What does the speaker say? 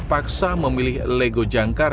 kepala tongkang ini memiliki kemampuan untuk mengembangkan